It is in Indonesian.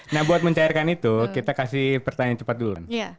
nah buat mencairkan itu kita kasih pertanyaan cepat dulu